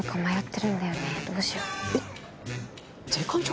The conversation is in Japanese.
えっ？